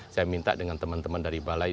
saya minta dengan teman teman dari balai